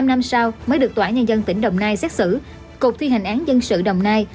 một mươi năm năm sau mới được tòa án nhân dân tỉnh đồng nai xét xử cục thi hành án dân sự đồng nai